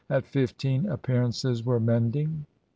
. At fif teen, appearances were mending.